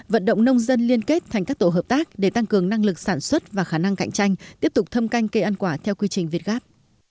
vận động nông dân liên kết thành các tổ hợp tác để tăng cường năng lực sản xuất và khả năng cạnh tranh tiếp tục thâm canh cây ăn quả theo quy trình việt gáp